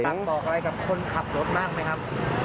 บอกอะไรกับคนขับรถมากมั้ยครับ